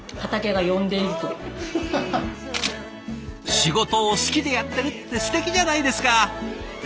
仕事を好きでやってるってすてきじゃないですか！